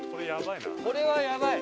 これやばいな。